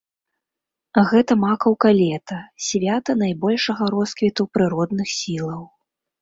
Гэта макаўка лета, свята найбольшага росквіту прыродных сілаў.